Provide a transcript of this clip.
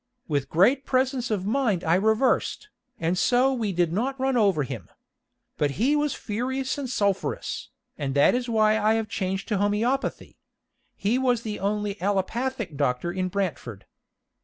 With great presence of mind I reversed, and so we did not run over him. But he was furious and sulphurous, and that is why I have changed to homeopathy. He was the only allopathic doctor in Brantford.